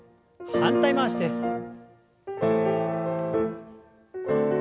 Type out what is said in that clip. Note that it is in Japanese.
反対回しです。